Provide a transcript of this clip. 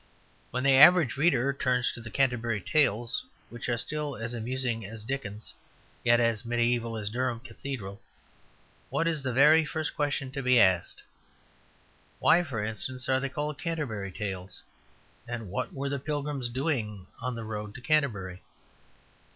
When the average reader turns to the "Canterbury Tales," which are still as amusing as Dickens yet as mediæval as Durham Cathedral, what is the very first question to be asked? Why, for instance, are they called Canterbury Tales; and what were the pilgrims doing on the road to Canterbury?